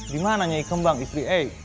dimana nyai kembang istri eik